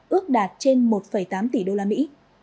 ước đạt trên một tám tỷ đô la mỹ